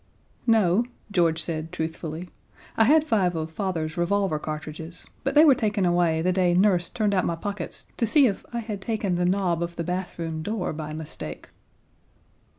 "No," George said, truthfully. "I had five of father's revolver cartridges, but they were taken away the day Nurse turned out my pockets to see if I had taken the knob of the bathroom door by mistake."